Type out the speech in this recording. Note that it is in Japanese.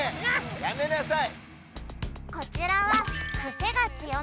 やめなさい！